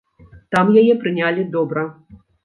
Там яе прынялі добра.